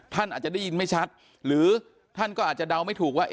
ท่านอาจจะได้ยินไม่ชัดหรือท่านก็อาจจะเดาไม่ถูกว่า